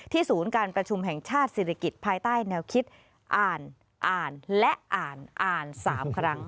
ศูนย์การประชุมแห่งชาติศิริกิจภายใต้แนวคิดอ่านอ่านและอ่านอ่าน๓ครั้ง